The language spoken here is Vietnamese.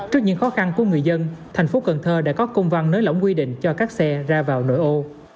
trước những khó khăn của người dân thành phố cần thơ đã có công văn nới lỏng quy định cho các xe ra vào nội ô